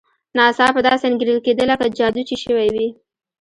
ناڅاپه داسې انګېرل کېده لکه جادو چې شوی وي.